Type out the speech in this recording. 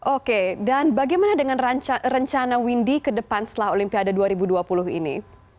oke dan bagaimana dengan rencana windy ke depan setelah olimpiade dua ribu dua puluh ini